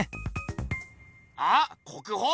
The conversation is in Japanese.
あっ国宝？